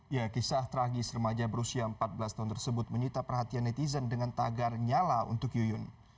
ya kisah tragis remaja berusia empat belas tahun tersebut menyita perhatian netizen dengan tagar nyala untuk yuyun